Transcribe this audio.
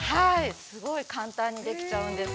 ◆すごい簡単にできちゃうんですよ。